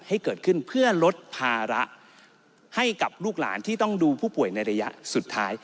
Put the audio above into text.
ให้เกิดขึ้นเพื่อลดภาระให้กับลูกหลานที่ต้องดูผู้ป่วยในระยะสุดท้าย